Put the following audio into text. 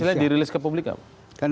hasilnya dirilis ke publik apa